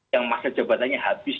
yang masa jabatannya habis